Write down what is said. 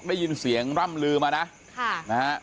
ได้ยินเสียงร่ำลือมานะ